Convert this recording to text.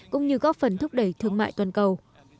cũng như góp phần thúc đẩy thương mại toàn cầu